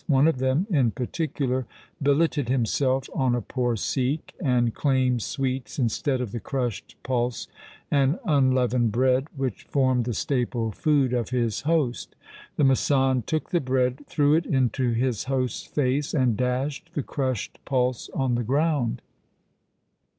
One of them in particular billeted himself on a poor Sikh, and claimed sweets instead of the crushed pulse and unleavened bread which formed the staple food of his host. The masand took the bread, threw it into his host's face, and dashed the crushed pulse on the ground.